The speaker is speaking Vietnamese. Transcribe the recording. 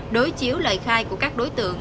đối chiếu lời khai của các đối tượng